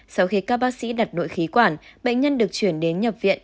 sau khi các bác sĩ đặt nội khí quản bệnh nhân được chuyển đến nhập viện